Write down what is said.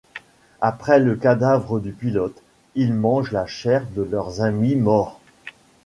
Après le cadavre du pilote, ils mangent la chair de leurs amis morts.